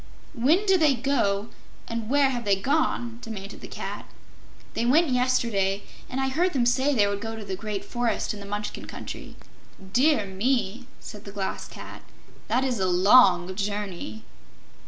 "When did they go, and where have they gone?" demanded the Cat. "They went yesterday, and I heard them say they would go to the Great Forest in the Munchkin Country." "Dear me," said the Glass Cat; "that is a long journey."